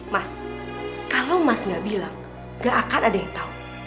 mas kalau mas gak bilang gak akan ada yang tahu